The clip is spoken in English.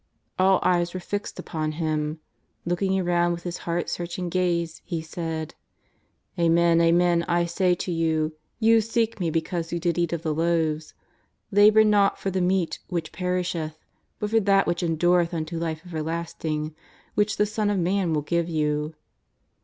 All eyes were fixed upon Him. Looking around with His heart searching gaze, He said : "Amen, amen, I say to you, you seek Me because you did eat of the loaves. Labour not for the meat whici? perisheth, but for that which endureth unto life ever lasting, which the Son of Man will give you."